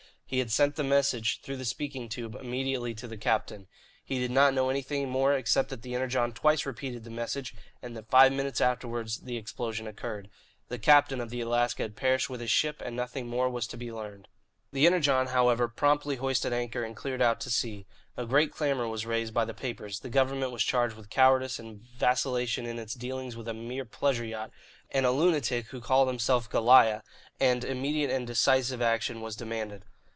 He had sent the message, through the speaking tube, immediately to the captain. He did not know anything more, except that the Energon twice repeated the message and that five minutes afterward the explosion occurred. The captain of the Alaska had perished with his ship, and nothing more was to be learned. The Energon, however, promptly hoisted anchor and cleared out to sea. A great clamour was raised by the papers; the government was charged with cowardice and vacillation in its dealings with a mere pleasure yacht and a lunatic who called himself "Goliah," and immediate and decisive action was demanded.